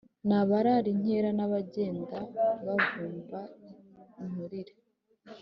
ni abarara inkera, n’abagenda bavumba inturire